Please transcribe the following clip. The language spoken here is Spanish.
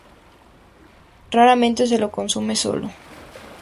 Raramente se lo consume solo.